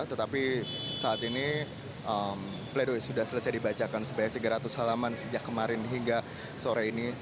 tetapi saat ini pledoi sudah selesai dibacakan sebanyak tiga ratus halaman sejak kemarin hingga sore ini